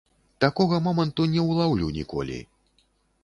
Такога моманту не ўлаўлю ніколі!